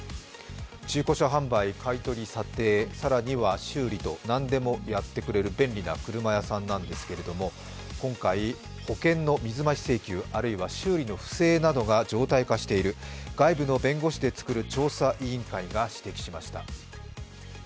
中古車販売、買い取り、査定、さらには修理となんでもやってくれる便利な車屋さんなんですけれども今回、保険の水増し請求あるいは修理の不正などが、常態化している、外部の弁護士でつくる調査委員会が指摘しました。